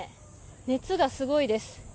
熱がすごいです。